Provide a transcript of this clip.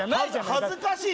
恥ずかしい。